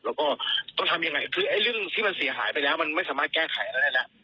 แล้วก็ต้องทำยังไงคือไอ้เรื่องที่มันเสียหายไปแล้วมันไม่สามารถแก้ไขอะไรได้แล้ว